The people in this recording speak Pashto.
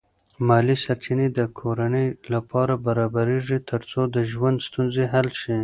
مالی سرچینې د کورنۍ لپاره برابرېږي ترڅو د ژوند ستونزې حل شي.